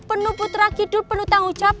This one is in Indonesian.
penuh putra hidup penuh tanggung jawab